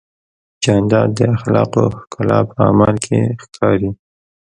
جانداد د اخلاقو ښکلا په عمل کې ښکاري.